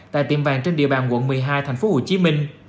tại tiệm vàng trên địa bàn quận một mươi hai tp hcm